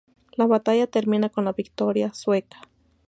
La batalla termina con la victoria sueca.